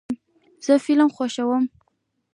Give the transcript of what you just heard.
زه فلم خوښوم.